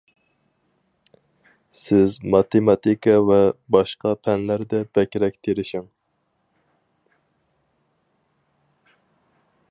سىز ماتېماتىكا ۋە باشقا پەنلەردە بەكرەك تىرىشىڭ.